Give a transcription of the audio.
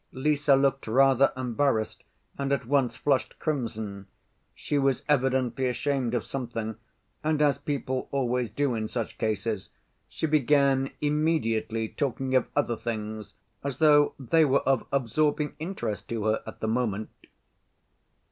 Lise looked rather embarrassed, and at once flushed crimson. She was evidently ashamed of something, and, as people always do in such cases, she began immediately talking of other things, as though they were of absorbing interest to her at the moment.